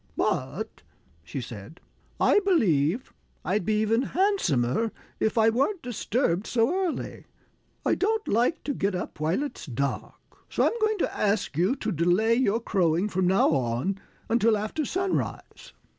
"But," she said, "I believe I'd be even handsomer if I weren't disturbed so early. I don't like to get up while it's dark. So I'm going to ask you to delay your crowing, from now on, until after sunrise."